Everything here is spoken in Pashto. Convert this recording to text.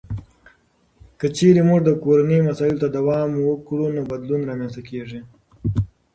که چیرته موږ د کورنیو مسایلو ته پام وکړو، نو بدلون رامنځته کیږي.